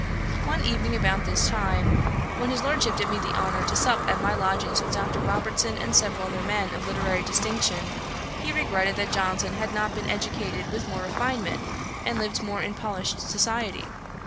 One evening about this time, when his Lordship did me the honour to sup at my lodgings with Dr. Robertson and several other men of literary distinction, he regretted that Johnson had not been educated with more refinement, and lived more in polished society.